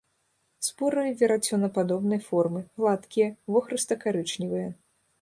Споры верацёнападобнай формы, гладкія, вохрыста-карычневыя.